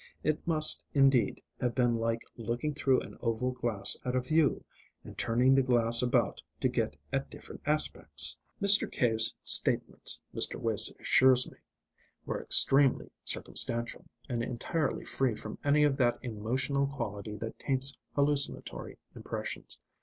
It must, indeed, have been like looking through an oval glass at a view, and turning the glass about to get at different aspects. Mr. Cave's statements, Mr. Wace assures me, were extremely circumstantial, and entirely free from any of that emotional quality that taints hallucinatory impressions.